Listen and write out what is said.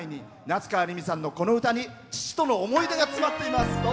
夏川りみさんのこの歌に父との思い出が詰まってます。